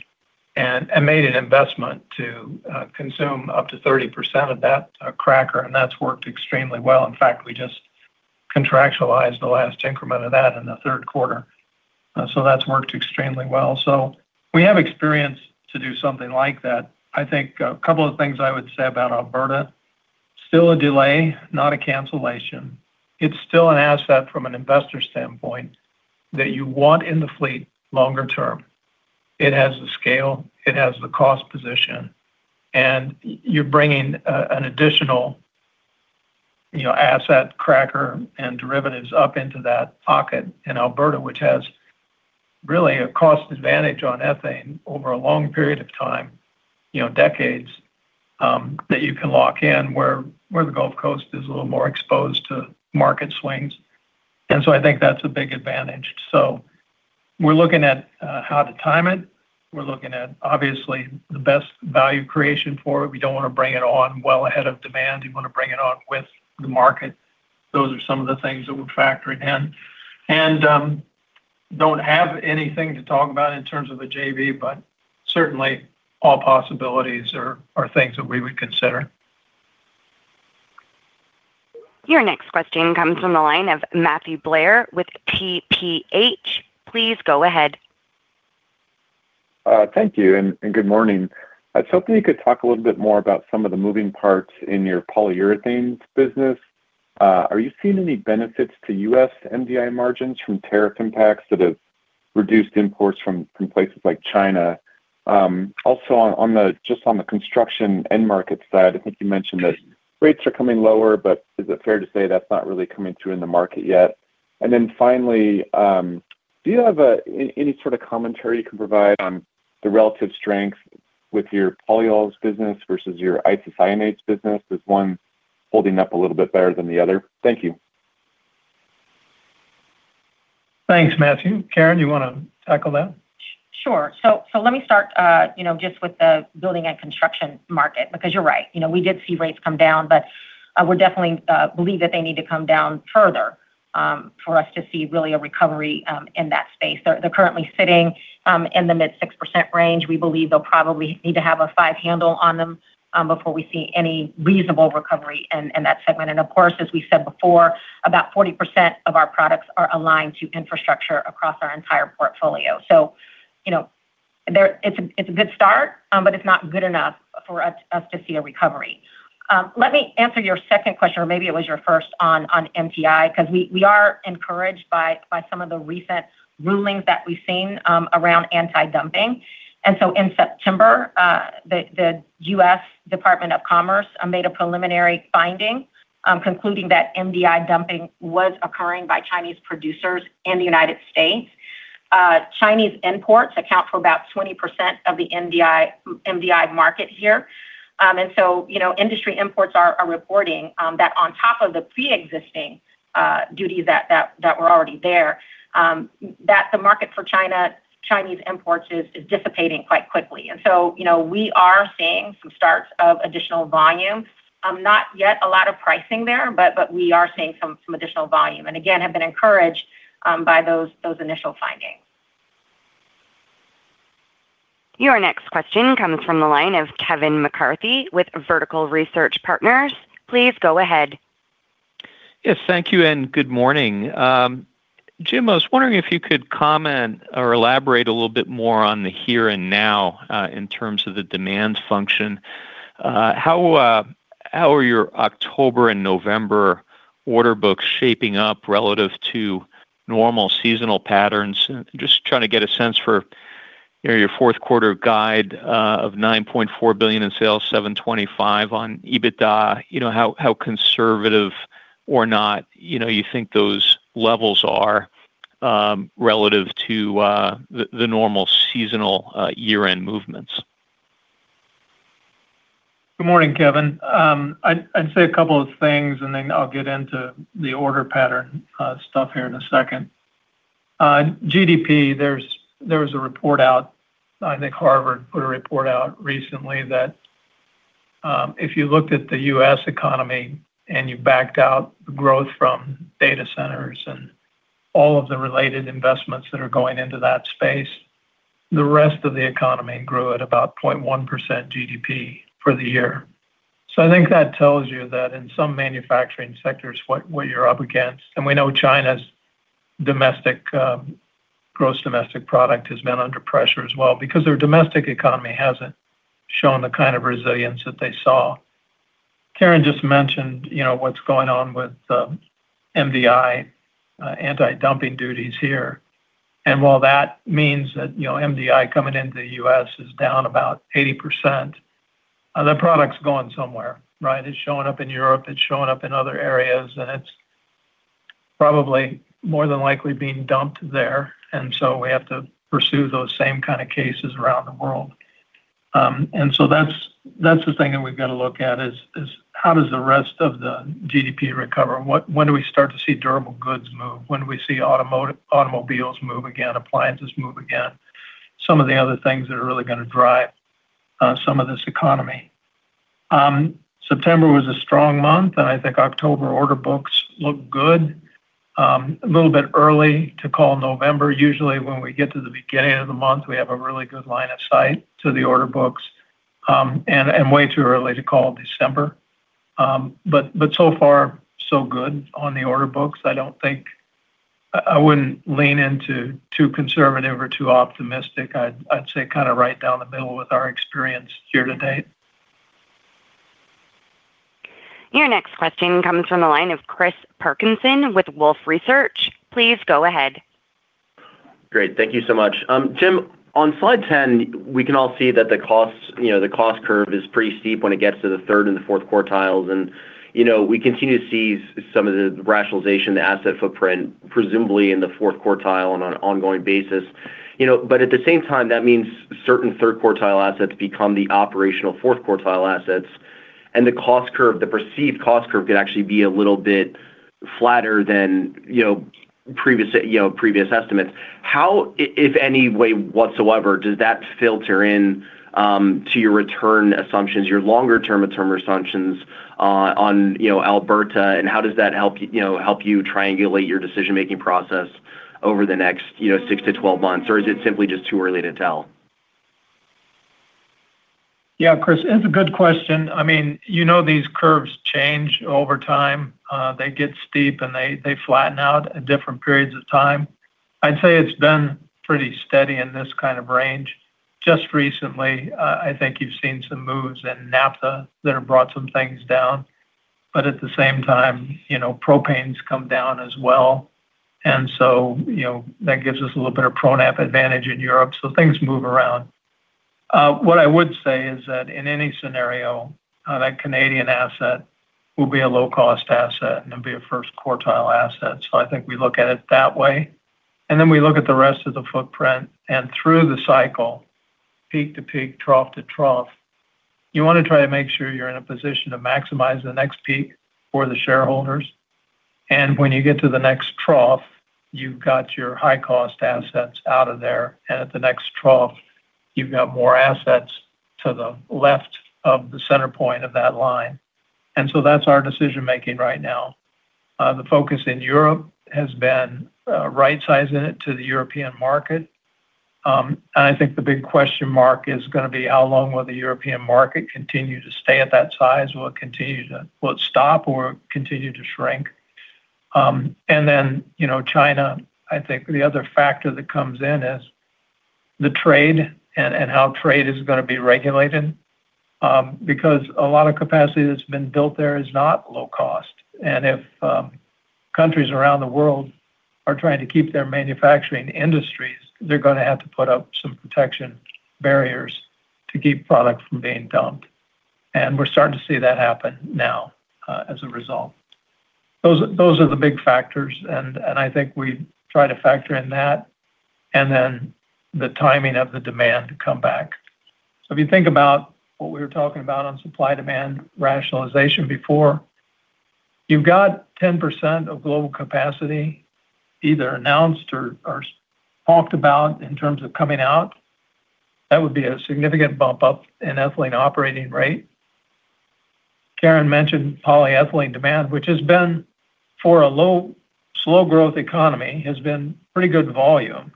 and made an investment to consume up to 30% of that cracker, and that's worked extremely well. In fact, we just contractualized the last increment of that in the third quarter. That's worked extremely well. We have experience to do something like that. I think a couple of things I would say about Alberta: still a delay, not a cancellation. It's still an asset from an investor standpoint that you want in the fleet longer term. It has the scale, it has the cost position, and you're bringing an additional asset, cracker, and derivatives up into that pocket in Alberta, which has really a cost advantage on ethane over a long period of time, decades, that you can lock in where the U.S. Gulf Coast is a little more exposed to market swings. I think that's a big advantage. We're looking at how to time it. We're looking at, obviously, the best value creation for it. We don't want to bring it on well ahead of demand. We want to bring it on with the market. Those are some of the things that we're factoring in. I don't have anything to talk about in terms of the JV, but certainly all possibilities are things that we would consider. Your next question comes from the line of Matthew Blair with TPH. Please go ahead. Thank you, and good morning. I was hoping you could talk a little bit more about some of the moving parts in your polyurethane business. Are you seeing any benefits to U.S. MDI margins from tariff impacts that have reduced imports from places like China? Also, just on the construction end market side, I think you mentioned that rates are coming lower, but is it fair to say that's not really coming through in the market yet? Finally, do you have any sort of commentary you can provide on the relative strength with your polyols business versus your isocyanates business? Is one holding up a little bit better than the other? Thank you. Thanks, Matthew. Karen, you want to tackle that? Sure. Let me start just with the building and construction market, because you're right. We did see rates come down, but we definitely believe that they need to come down further for us to see really a recovery in that space. They're currently sitting in the mid-6% range. We believe they'll probably need to have a five-handle on them before we see any reasonable recovery in that segment. Of course, as we said before, about 40% of our products are aligned to infrastructure across our entire portfolio. It's a good start, but it's not good enough for us to see a recovery. Let me answer your second question, or maybe it was your first, on MDI, because we are encouraged by some of the recent rulings that we've seen around anti-dumping. In September, the U.S. Department of Commerce made a preliminary finding concluding that MDI dumping was occurring by Chinese producers in the United States. Chinese imports account for about 20% of the MDI market here. Industry imports are reporting that on top of the pre-existing duties that were already there, the market for Chinese imports is dissipating quite quickly. We are seeing some starts of additional volume. Not yet a lot of pricing there, but we are seeing some additional volume. Again, have been encouraged by those initial findings. Your next question comes from the line of Kevin McCarthy with Vertical Research Partners. Please go ahead. Yes, thank you, and good morning. Jim, I was wondering if you could comment or elaborate a little bit more on the here and now in terms of the demand function. How are your October and November order books shaping up relative to normal seasonal patterns? Just trying to get a sense for your fourth quarter guide of $9.4 billion in sales, $7.25 billion on EBITDA. How conservative or not you think those levels are relative to the normal seasonal year-end movements? Good morning, Kevin. I'd say a couple of things, then I'll get into the order pattern stuff here in a second. GDP, there was a report out, I think Harvard put a report out recently that if you looked at the U.S. economy and you backed out the growth from data centers and all of the related investments that are going into that space, the rest of the economy grew at about 0.1% GDP for the year. I think that tells you that in some manufacturing sectors, what you're up against, and we know China's gross domestic product has been under pressure as well, because their domestic economy hasn't shown the kind of resilience that they saw. Karen just mentioned what's going on with MDI anti-dumping duties here. While that means that MDI coming into the U.S. is down about 80%, that product's going somewhere, right? It's showing up in Europe, it's showing up in other areas, and it's probably more than likely being dumped there. We have to pursue those same kind of cases around the world. That's the thing that we've got to look at, how does the rest of the GDP recover? When do we start to see durable goods move? When do we see automobiles move again, appliances move again, some of the other things that are really going to drive some of this economy? September was a strong month, and I think October order books look good. A little bit early to call November. Usually, when we get to the beginning of the month, we have a really good line of sight to the order books, and way too early to call December. So far, so good on the order books. I don't think I wouldn't lean into too conservative or too optimistic. I'd say kind of right down the middle with our experience year to date. Your next question comes from the line of Chris Parkinson with Wolfe Research. Please go ahead. Great, thank you so much. Jim, on slide 10, we can all see that the cost curve is pretty steep when it gets to the third and the fourth quartiles. We continue to see some of the rationalization of the asset footprint, presumably in the fourth-quartile on an ongoing basis. At the same time, that means certain third-quartile assets become the operational fourth-quartile assets, and the cost curve, the perceived cost curve, could actually be a little bit flatter than previous estimates. How, if any way whatsoever, does that filter in to your return assumptions, your longer-term return assumptions on Alberta? How does that help you triangulate your decision-making process over the next 6-12 months? Is it simply just too early to tell? Yeah, Chris, it's a good question. These curves change over time. They get steep, and they flatten out at different periods of time. I'd say it's been pretty steady in this kind of range. Just recently, I think you've seen some moves in NAFTA that have brought some things down. At the same time, propanes come down as well, and that gives us a little bit of pro-NAFTA advantage in Europe. Things move around. What I would say is that in any scenario, that Canadian asset will be a low-cost asset, and it'll be a first quartile asset. I think we look at it that way. We look at the rest of the footprint, and through the cycle, peak to peak, trough to trough, you want to try to make sure you're in a position to maximize the next peak for the shareholders. When you get to the next trough, you've got your high-cost assets out of there. At the next trough, you've got more assets to the left of the center point of that line. That's our decision-making right now. The focus in Europe has been right-sizing it to the European market. I think the big question mark is going to be how long will the European market continue to stay at that size. Will it continue to stop or continue to shrink. China, I think the other factor that comes in is the trade and how trade is going to be regulated, because a lot of capacity that's been built there is not low-cost. If countries around the world are trying to keep their manufacturing industries, they're going to have to put up some protection barriers to keep product from being dumped. We're starting to see that happen now as a result. Those are the big factors, and I think we try to factor in that, and then the timing of the demand to come back. If you think about what we were talking about on supply-demand rationalization before, you've got 10% of global capacity either announced or talked about in terms of coming out. That would be a significant bump up in ethylene operating rate. Karen mentioned polyethylene demand, which has been, for a low, slow-growth economy, pretty good volume.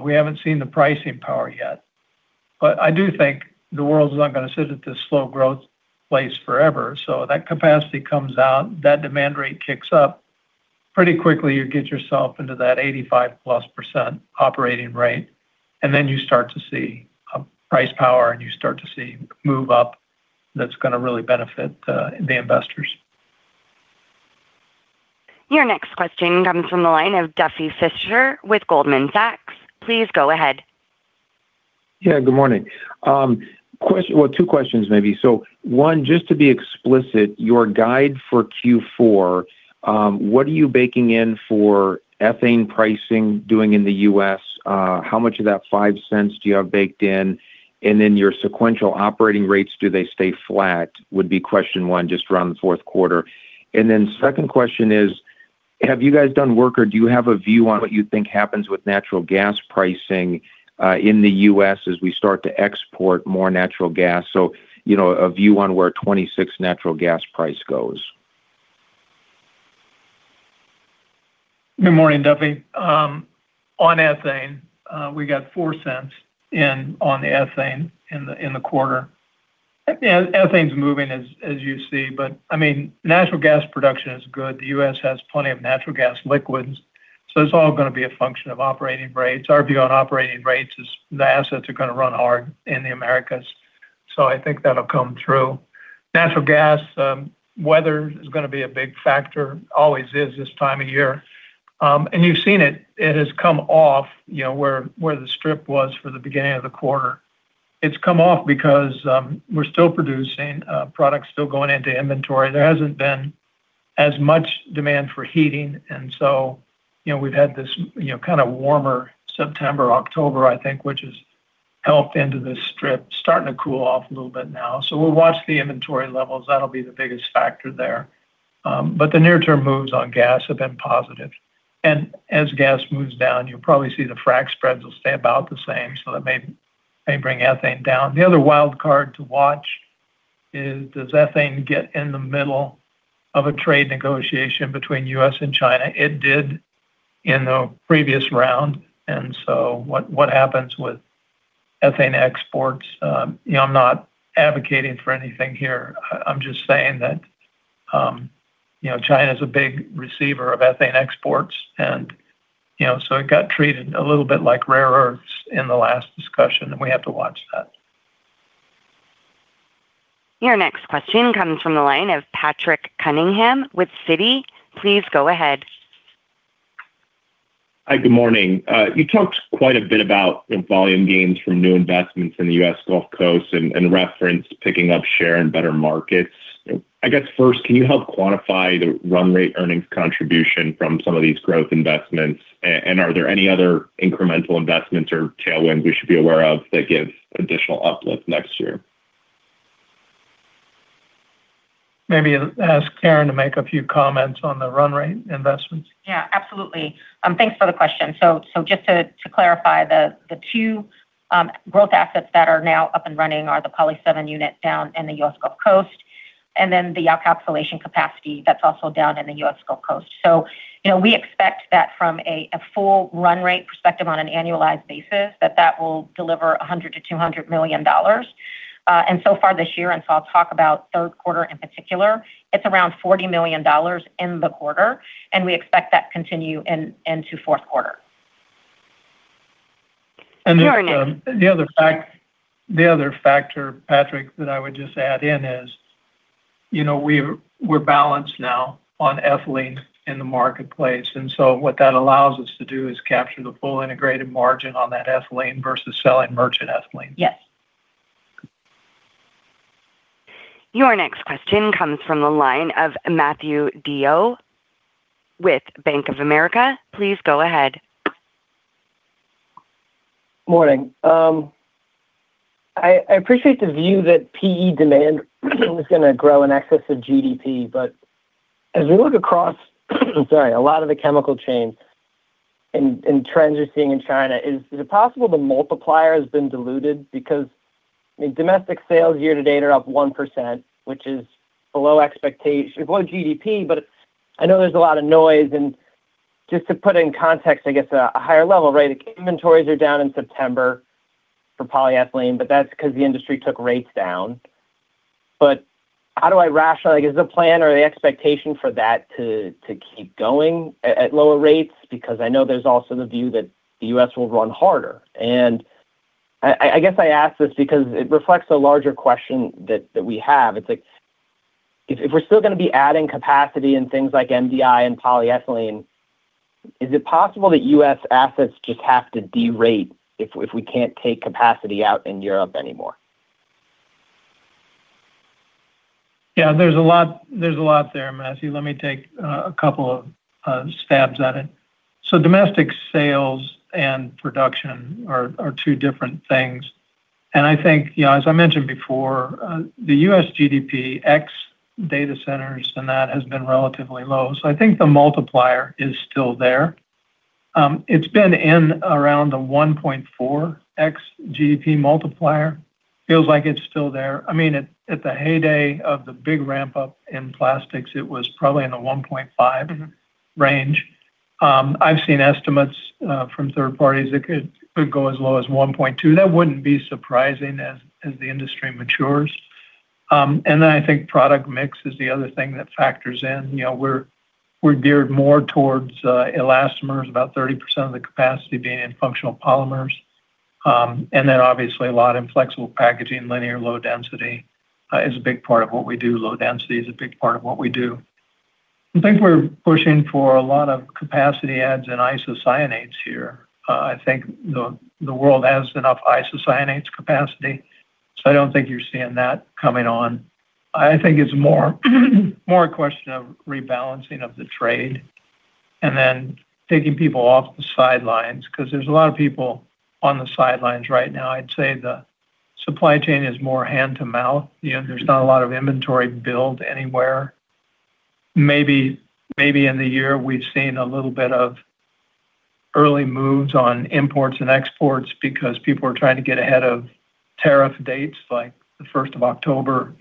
We haven't seen the pricing power yet. I do think the world's not going to sit at this slow-growth place forever. That capacity comes out, that demand rate kicks up. Pretty quickly, you get yourself into that 85+% operating rate, and then you start to see a price power, and you start to see move-up that's going to really benefit the investors. Your next question comes from the line of Duffy Fischer with Goldman Sachs. Please go ahead. Good morning. Two questions maybe. One, just to be explicit, your guide for Q4, what are you baking in for ethane pricing doing in the U.S.? How much of that $0.05 do you have baked in? Your sequential operating rates, do they stay flat? That would be question one, just around the fourth quarter. The second question is, have you guys done work, or do you have a view on what you think happens with natural gas pricing in the U.S. as we start to export more natural gas? A view on where 2026 natural gas price goes. Good morning, Duffy. On ethane, we got $0.04 on the ethane in the quarter. Ethane's moving, as you see, but I mean, natural gas production is good. The U.S. has plenty of natural gas liquids. It's all going to be a function of operating rates. Our view on operating rates is the assets are going to run hard in the Americas. I think that'll come through. Natural gas, weather is going to be a big factor, always is this time of year. You've seen it, it has come off, you know, where the strip was for the beginning of the quarter. It's come off because we're still producing products, still going into inventory. There hasn't been as much demand for heating. We've had this kind of warmer September, October, I think, which has helped into this strip, starting to cool off a little bit now. We'll watch the inventory levels. That'll be the biggest factor there. The near-term moves on gas have been positive. As gas moves down, you'll probably see the frac spreads will stay about the same. That may bring ethane down. The other wild card to watch is does ethane get in the middle of a trade negotiation between the U.S. and China? It did in the previous round. What happens with ethane exports? I'm not advocating for anything here. I'm just saying that China is a big receiver of ethane exports. It got treated a little bit like rare earths in the last discussion, and we have to watch that. Your next question comes from the line of Patrick Cunningham with Citi. Please go ahead. Hi, good morning. You talked quite a bit about volume gains from new investments in the U.S. Gulf Coast and referenced picking up share in better markets. I guess first, can you help quantify the run-rate earnings contribution from some of these growth investments? Are there any other incremental investments or tailwinds we should be aware of that give additional uplift next year? Maybe ask Karen to make a few comments on the run-rate investments. Yeah, absolutely. Thanks for the question. Just to clarify, the two growth assets that are now up and running are the Poly7 unit down in the U.S. Gulf Coast, and the Alcoxolation capacity that's also down in the U.S. Gulf Coast. We expect that from a full run-rate perspective on an annualized basis, that will deliver $100 million-$200 million. So far this year, and I'll talk about third quarter in particular, it's around $40 million in the quarter, and we expect that to continue into the fourth quarter. The other factor, Patrick, that I would just add in is, you know, we're balanced now on ethylene in the marketplace. What that allows us to do is capture the full integrated margin on that ethylene versus selling merchant ethylene. Yes. Your next question comes from the line of Matthew Deo with Bank of America. Please go ahead. Morning. I appreciate the view that PE demand is going to grow in excess of GDP, but as we look across a lot of the chemical chain and trends you're seeing in China, is it possible the multiplier has been diluted? Because, I mean, domestic sales year to date are up 1%, which is below expectation, below GDP. I know there's a lot of noise. Just to put in context, at a higher level, inventories are down in September for polyethylene, but that's because the industry took rates down. How do I rationalize, is the plan or the expectation for that to keep going at lower rates? I know there's also the view that the U.S. will run harder. I ask this because it reflects a larger question that we have. It's like if we're still going to be adding capacity in things like MDI and polyethylene, is it possible that U.S. assets just have to de-rate if we can't take capacity out in Europe anymore? Yeah, there's a lot there, Matthew. Let me take a couple of stabs at it. Domestic sales and production are two different things. I think, you know, as I mentioned before, the U.S. GDP ex-data centers and that has been relatively low. I think the multiplier is still there. It's been in around the 1.4x GDP multiplier. Feels like it's still there. I mean, at the heyday of the big ramp-up in plastics, it was probably in the 1.5x range. I've seen estimates from third parties that could go as low as 1.2x. That wouldn't be surprising as the industry matures. I think product mix is the other thing that factors in. You know, we're geared more towards elastomers, about 30% of the capacity being in functional polymers. Obviously, a lot in flexible packaging, linear low-density is a big part of what we do. Low density is a big part of what we do. I think we're pushing for a lot of capacity adds in isocyanates here. I think the world has enough isocyanates capacity. I don't think you're seeing that coming on. I think it's more a question of rebalancing of the trade and then taking people off the sidelines, because there's a lot of people on the sidelines right now. I'd say the supply chain is more hand-to-mouth. There's not a lot of inventory build anywhere. Maybe in the year we've seen a little bit of early moves on imports and exports because people are trying to get ahead of tariff dates like the 1st of October.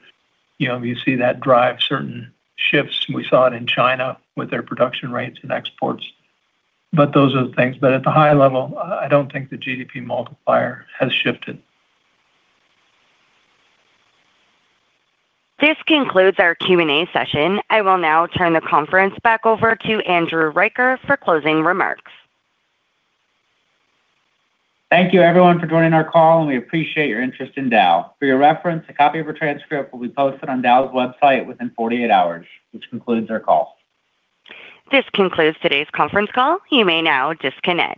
You see that drive certain shifts. We saw it in China with their production rates and exports. Those are the things. At the high level, I don't think the GDP multiplier has shifted. This concludes our Q&A session. I will now turn the conference back over to Andrew Riker for closing remarks. Thank you, everyone, for joining our call, and we appreciate your interest in Dow. For your reference, a copy of our transcript will be posted on Dow's website within 48 hours, which concludes our call. This concludes today's conference call. You may now disconnect.